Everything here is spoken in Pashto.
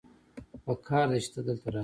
پکار دی چې ته دلته راشې